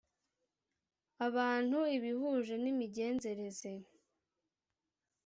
abantu ibihuje n imigenzereze